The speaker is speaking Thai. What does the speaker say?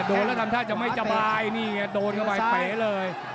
โดนแล้วทำท่าจะไม่สบายนี่ไงโดนเข้าไปเป๋เลย